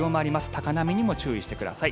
高波にも注意してください。